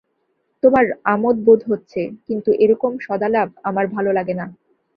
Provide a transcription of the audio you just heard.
তোমার আমোদ বোধ হচ্ছে, কিন্তু এরকম সদালাপ আমার ভালো লাগে না।